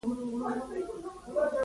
پروګرامنګ منطق ته اړتیا لري.